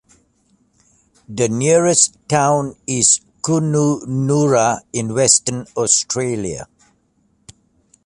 The nearest town is Kununurra in Western Australia.